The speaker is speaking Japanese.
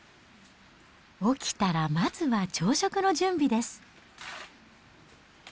起きたらまずは朝食の準備です。